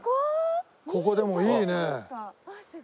ここでもいいねえ。